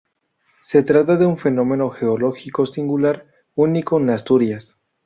Se trata de un fenómeno geológico singular, único en Asturias.